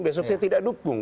besok saya tidak dukung